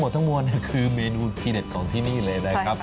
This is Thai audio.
เนี่ยทั้งหมดคือเมนูที่เด็ดของที่นี่เลยนะครับ